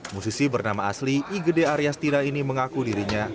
musisi bernama asli igede aryastira ini mengaku dirinya